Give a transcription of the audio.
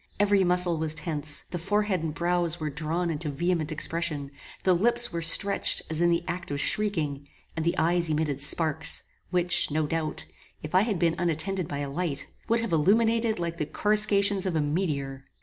Every muscle was tense; the forehead and brows were drawn into vehement expression; the lips were stretched as in the act of shrieking, and the eyes emitted sparks, which, no doubt, if I had been unattended by a light, would have illuminated like the coruscations of a meteor.